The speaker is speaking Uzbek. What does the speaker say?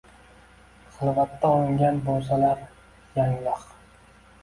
hilvatda olingan bo’salar yanglig’…